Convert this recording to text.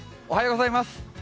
おはようございます。